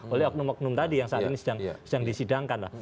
oleh oknum oknum tadi yang saat ini sedang disidangkan lah